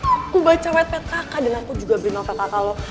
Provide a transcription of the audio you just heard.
aku baca white pad kakak dan aku juga beli novel kakak lo